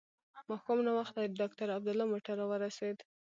ماښام ناوخته د ډاکټر عبدالله موټر راورسېد.